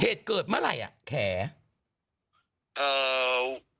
เหตุเกิดเมื่อไหร่แขน